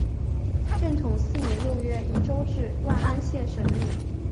正统四年六月以州治万安县省入。